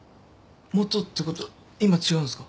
元ってことは今違うんすか？